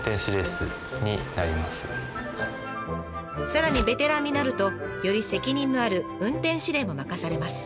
さらにベテランになるとより責任のある運転指令も任されます。